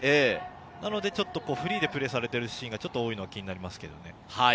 なのでフリーでプレーをされているシーンがちょっと多いのが気になります。